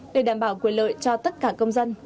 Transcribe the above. để đảm bảo quyền lợi cho tất cả công dân